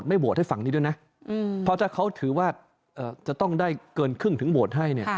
เพราะถ้าเขาถือว่าจะต้องได้เกินครึ่งถึงโหวตให้เนี่ย